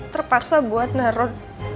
terpaksa buat naruh